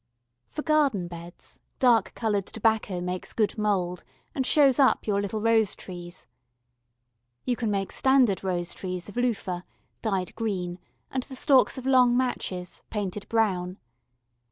For garden beds dark coloured tobacco makes good mould, and shows up your little rose trees. You can make standard rose trees of loofah dyed green, and the stalks of long matches painted brown.